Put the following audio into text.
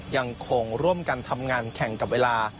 ยังคงร่วมกันทำงานแข่งกับเวลา